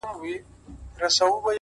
څنگه بيلتون كي گراني شعر وليكم